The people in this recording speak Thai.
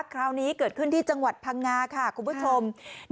คราวนี้เกิดขึ้นที่จังหวัดพังงาค่ะคุณผู้ชม